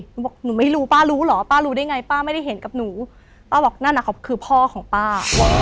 หนูบอกหนูไม่รู้ป้ารู้เหรอป้ารู้ได้ไงป้าไม่ได้เห็นกับหนูป้าบอกนั่นน่ะเขาคือพ่อของป้า